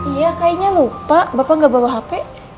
iya kaiknya lupa bapak ga bawa hp